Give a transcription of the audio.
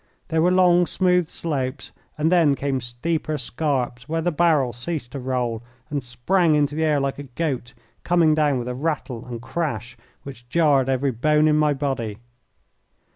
There were long, smooth slopes, and then came steeper scarps where the barrel ceased to roll, and sprang into the air like a goat, coming down with a rattle and crash which jarred every bone in my body.